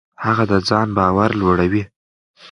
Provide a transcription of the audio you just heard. هغه د ځان باور لوړوي.